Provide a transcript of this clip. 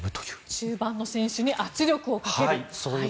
中盤の選手に圧力をかける。